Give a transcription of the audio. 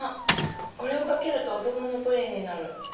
これをかけると大人のプリンになる。